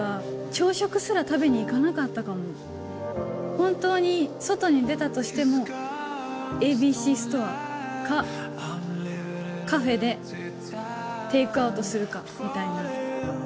本当に外に出たとしても、ＡＢＣストアか、カフェでテイクアウトするかみたいな。